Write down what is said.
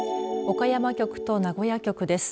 岡山局と名古屋局です。